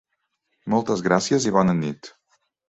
Moltes gràcies i bona nit!